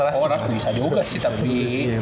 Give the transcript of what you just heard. rush rush bisa juga sih tapi